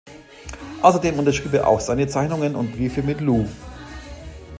Außerdem unterschrieb er auch seine Zeichnungen und Briefe mit 'Lou'.